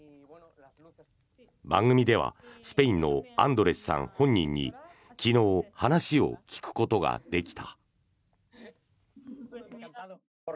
番組ではスペインのアンドレスさん本人に昨日、話を聞くことができた。